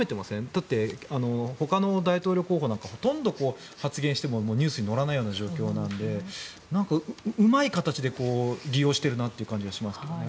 だって、ほかの大統領候補なんかほとんど、発言してもニュースに乗らないような状況なのでうまい形で利用してるなという感じがしますね。